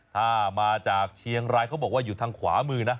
ถ้ามาจากเชียงรายเขาบอกว่าอยู่ทางขวามือนะ